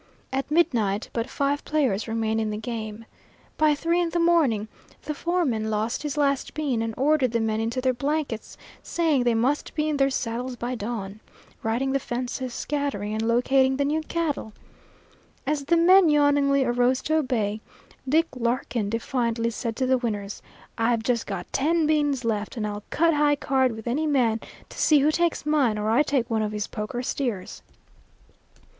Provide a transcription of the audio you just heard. At midnight but five players remained in the game. By three in the morning the foreman lost his last bean, and ordered the men into their blankets, saying they must be in their saddles by dawn, riding the fences, scattering and locating the new cattle. As the men yawningly arose to obey, Dick Larkin defiantly said to the winners, "I've just got ten beans left, and I'll cut high card with any man to see who takes mine or I take one of his poker steers."